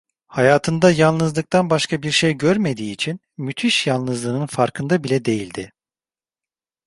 Hayatında yalnızlıktan başka bir şey görmediği için, müthiş yalnızlığının farkında bile değildi.